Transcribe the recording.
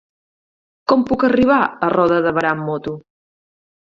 Com puc arribar a Roda de Berà amb moto?